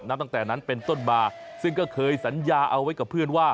ตั้งแต่นั้นเป็นต้นมาซึ่งก็เคยสัญญาเอาไว้กับเพื่อนว่า